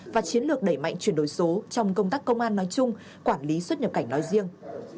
và chiến lược đẩy mạnh chuyển đổi số trong công tác công an nói chung quản lý xuất nhập cảnh nói riêng